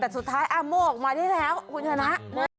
แต่สุดท้ายอาโม่ออกมาได้แล้วคุณชนะ